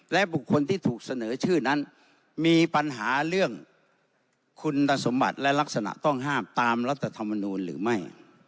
และบุคคลที่ถูกเสนอชื่อนั้นมีปัญหาเรื่องคุณสมบัติและลักษณะต้องห้ามตามรัฐธรรมนูลหรือไม่